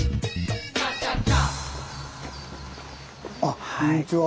あっこんにちは。